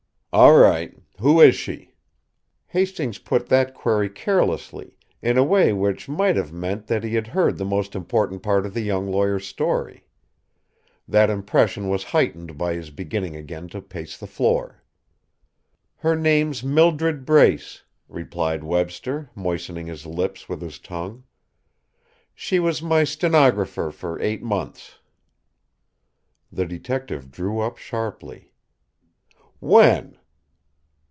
"All right. Who is she?" Hastings put that query carelessly, in a way which might have meant that he had heard the most important part of the young lawyer's story. That impression was heightened by his beginning again to pace the floor. "Her name's Mildred Brace," replied Webster, moistening his lips with his tongue. "She was my stenographer for eight months." The detective drew up sharply. "When?"